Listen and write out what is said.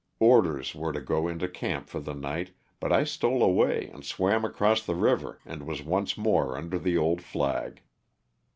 Orders were to go into camp for the night, but I stole away and swam across the river and was once more under the old flag.